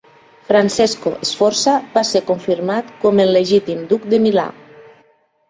Francesco Sforza va ser confirmat com el legítim duc de Milà.